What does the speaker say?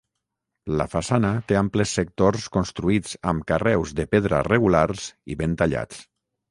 La façana té amples sectors construïts amb carreus de pedra regulars i ben tallats.